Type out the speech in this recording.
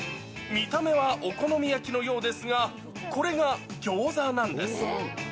見た目はお好み焼きのようですが、これがギョーザなんです。